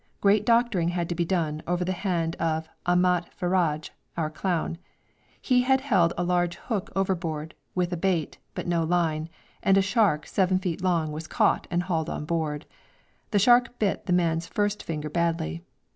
Great doctoring had to be done over the hand of Ahmet Farraj, our clown. He had held a large hook overboard, with a bait, but no line, and a shark 7 feet long was caught and hauled on board. The shark bit the man's first finger badly.